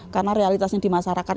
karena realitasnya dimasarkan